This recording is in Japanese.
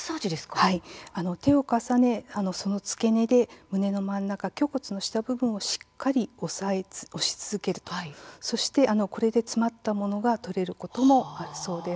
手を重ね、その付け根で胸の真ん中、胸骨の下の部分をしっかり押し続けるこれで詰まったものが取れることもあるそうです。